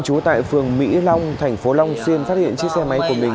trú tại phường mỹ long tp long xuyên phát hiện chiếc xe máy của mình